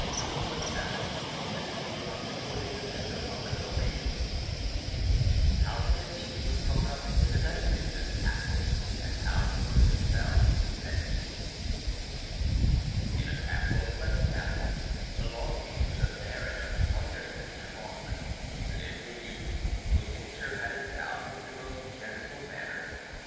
The Conclusion 161 [Illustration: VOLTAIRE'S CANDIDE] CANDIDE I HOW CANDIDE WAS BROUGHT UP IN A MAGNIFICENT CASTLE, AND HOW HE WAS EXPELLED THENCE. In a castle of Westphalia, belonging to the Baron of Thunder ten Tronckh, lived a youth, whom nature had endowed with the most gentle manners.